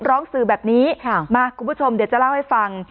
ร้องสื่อแบบนี้มาคุณผู้ชมเดี๋ยวจะเล่าให้ฟัง